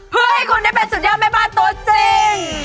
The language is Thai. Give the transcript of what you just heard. เพื่อให้คุณได้เป็นสุดยอดแม่บ้านตัวจริง